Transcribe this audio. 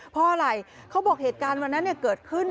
เพราะอะไรเขาบอกเหตุการณ์วันนั้นเกิดขึ้น